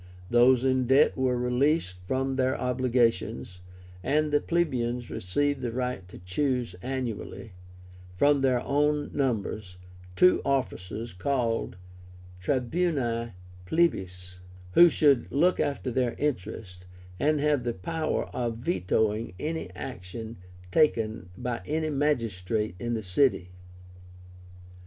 Those in debt were released from their obligations, and the plebeians received the right to choose annually, from their own numbers, two officers called TRIBÚNI PLEBIS, who should look after their interests, and have the power of VETOING any action taken by any magistrate in the city.